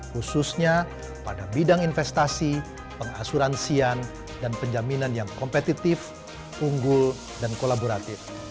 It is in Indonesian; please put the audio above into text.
khususnya pada bidang investasi pengasuransian dan penjaminan yang kompetitif unggul dan kolaboratif